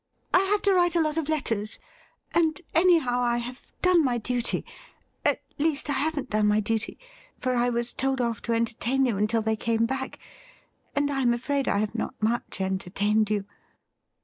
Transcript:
I have to write a lot of letters ; and, anyhow, I have done my duty — at least, I haven't done my duty, for I was told off to entertain you until they came back, and I am afraid I have not much entertained you.'